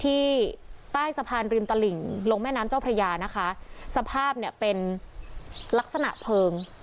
ที่ใต้สภารริมตลิงลงแม่น้ำเจ้าพระยาสภาพเป็นลักษณะเพลิง